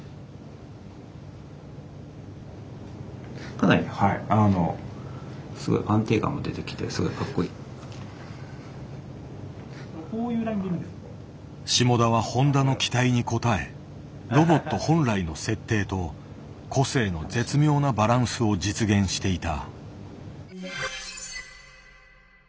かなり下田は誉田の期待に応えロボット本来の設定と個性の絶妙なバランスを実現していた。